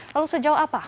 lalu sejauh apa